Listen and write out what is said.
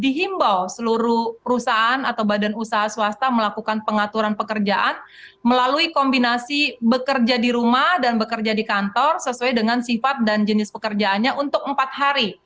dihimbau seluruh perusahaan atau badan usaha swasta melakukan pengaturan pekerjaan melalui kombinasi bekerja di rumah dan bekerja di kantor sesuai dengan sifat dan jenis pekerjaannya untuk empat hari